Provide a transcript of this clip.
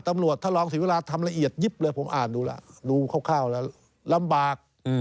ตำรวจถ้ารองสิเวลาทำล่ะเอียดผมอ่านดูเราก็รู้ครอบคร่าวแล้วงัก